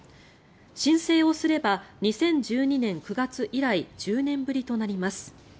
申請をすれば２０１２年９月以来１０年ぶりとなります。